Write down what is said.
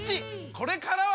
これからは！